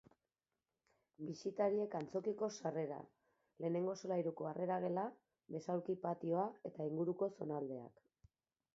Bisitariek antzokiko sarrera, lehenengo solairuko harrera-gela, besaulki-patioa eta inguruko zonaldeak.